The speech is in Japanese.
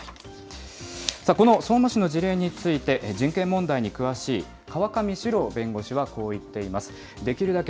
この相馬市の事例について、人権問題に詳しい川上詩朗弁護士はこう言っています。